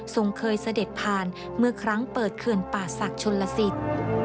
เคยเสด็จผ่านเมื่อครั้งเปิดเขื่อนป่าศักดิ์ชนลสิทธิ์